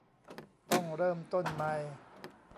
ต้องเริ่มต้นใหม่